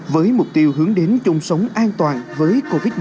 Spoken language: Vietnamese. với mục tiêu hướng đến chung sống an toàn với covid một mươi chín